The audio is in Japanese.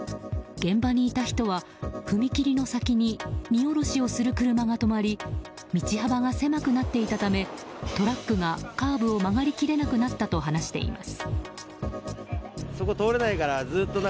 現場にいた人は、踏切の先に荷下ろしをする車が止まり道幅が狭くなっていたためトラックがカーブを曲がり切れなくなったと話しています。